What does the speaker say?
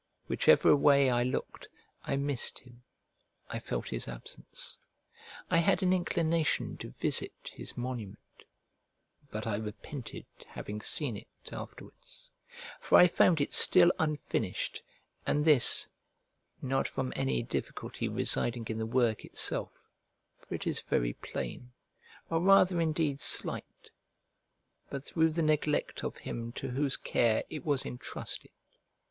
Whichever way I looked, I missed him, I felt his absence. I had an inclination to visit his monument; but I repented having seen it, afterwards: for I found it still unfinished, and this, not from any difficulty residing in the work itself, for it is very plain, or rather indeed slight; but through the neglect of him to whose care it was entrusted.